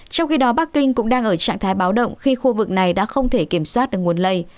trong khi đó bắc kinh cũng đang ở trạng thái báo động khi khu vực này đã không thể kiểm soát được nguồn lây